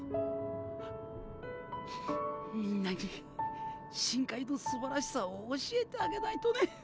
みんなに深海のすばらしさを教えてあげないとね。